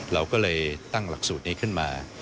เราก็เลยตั้งหลักสูตรนี้ขึ้นมา